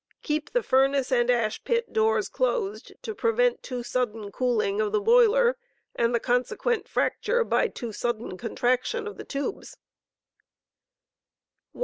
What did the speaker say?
Keep the furnace and ash pit doors closed to prevent too sudden cooling of the boiler and the consequent fracture by too sudden contraction of the tubes. 165.